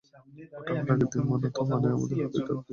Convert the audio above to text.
ঘটনার আগের দিন মানাত, মানে আমাদের হাতিটাকে খুঁজে পাওয়া যাচ্ছিল না।